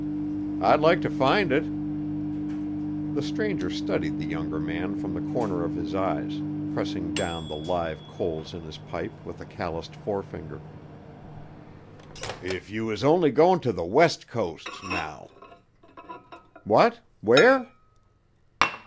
"I'd like to find it." The stranger studied the younger man from the corner of his eyes, pressing down the live coals in his pipe with a calloused forefinger. "If you was only goin' to the West Coast, now." "What? Where?"